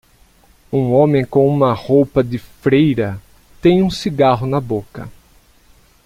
Um homem com uma roupa de freira tem um cigarro na boca.